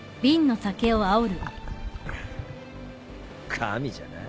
神じゃない